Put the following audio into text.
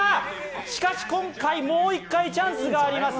しかし今回、もう一回チャンスがあります。